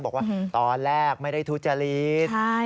บอกว่าตอนแรกไม่ได้ทุจริต